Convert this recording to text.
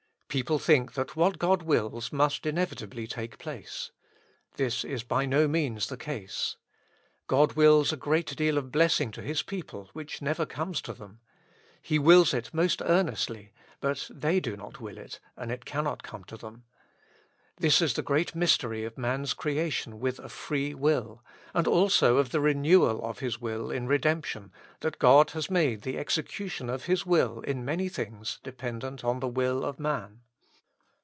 People think that what God wills must inevitably take place. This is by no means the case. God wills a great deal of blessing to His people, which never comes to them. He wills it most earnestly, but they do not will it, and it cannot come to them. This is the great mystery of man's creation with a free will, and also of the renewal of His will in redemption, that God has made the execution of His will, in many things, dependent on the will of man.